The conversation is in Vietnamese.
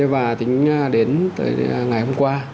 và tính đến ngày hôm qua